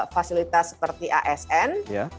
fasilitas seperti asn